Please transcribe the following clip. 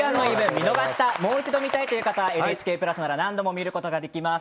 見逃した、もう一度見たいという方、ＮＨＫプラスなら何度も見ることができます。